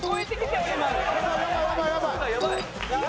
やばい！